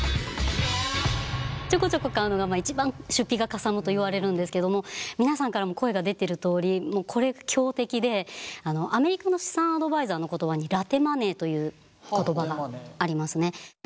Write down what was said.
ちょこちょこ買うのが一番出費がかさむといわれるんですけども皆さんからも声が出てるとおりこれが強敵でアメリカの資産アドバイザーの言葉にラテマネーという言葉がありますね。